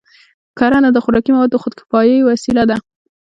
کرنه د خوراکي موادو د خودکفایۍ وسیله ده.